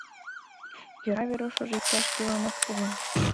Йӧра Верушыжо иктаж-кӧлан ок пу гын...